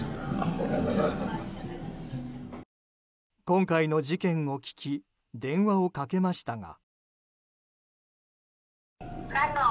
今回の事件を聞き電話をかけましたが。